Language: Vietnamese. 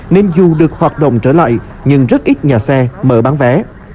nên dù được hoạt động trở lại nhưng rất ít nhà xe mở bán vé